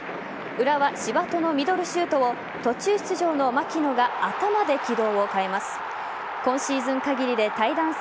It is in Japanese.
浦和・柴戸のミドルシュートを途中出場の槙野が頭で軌道を変えます。